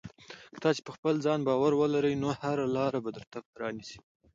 که تاسې په خپل ځان باور ولرئ، نو هره لاره به درته پرانیزي.